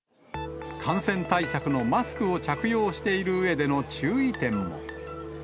感染対策のマスクを着用しているうえでの注意点も。